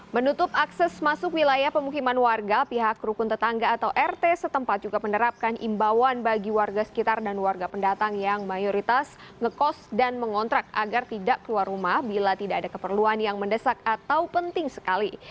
menutup akses masuk wilayah pemukiman warga pihak rukun tetangga atau rt setempat juga menerapkan imbauan bagi warga sekitar dan warga pendatang yang mayoritas ngekos dan mengontrak agar tidak keluar rumah bila tidak ada keperluan yang mendesak atau penting sekali